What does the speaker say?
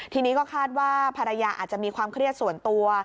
ทีนี้ก็คาดว่าภรรยาอาจจะมีความเครียดส่วนตัว